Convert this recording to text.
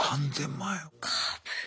３０００万円。